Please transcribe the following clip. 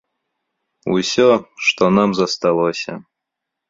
Усё, што нам засталося.